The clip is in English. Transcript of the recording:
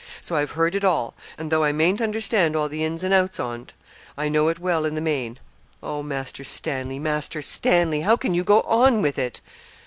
So I've heard it all and though I mayn't understand all the ins and outs on't, I know it well in the main. Oh, Master Stanley, Master Stanley! How can you go on with it?'